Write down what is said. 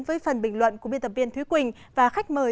với phần bình luận của biên tập viên thúy quỳnh và khách mời